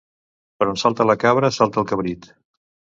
Per on salta la cabra, salta el cabrit.